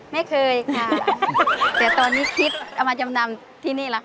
ไม่เคยค่ะแต่ตอนนี้คิดเอามาจำนำที่นี่แหละค่ะ